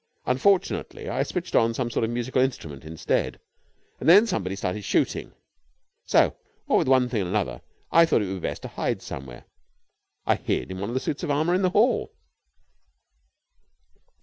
Unfortunately I switched on some sort of musical instrument instead. And then somebody started shooting. So, what with one thing and another, I thought it would be best to hide somewhere. I hid in one of the suits of armour in the hall."